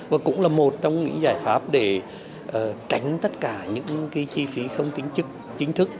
và cũng là một trong những giải pháp để tránh tất cả những chi phí không tính chức chính thức